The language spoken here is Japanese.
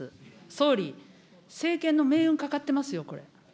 総理、政権の命運かかってますよ、これ。